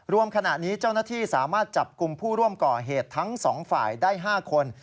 ขณะนี้เจ้าหน้าที่สามารถจับกลุ่มผู้ร่วมก่อเหตุทั้งสองฝ่ายได้๕คน